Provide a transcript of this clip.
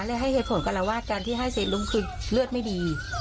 แล้วให้เหตุผลก็ละว่าการที่ให้เซลุมคือเลือดไม่ดี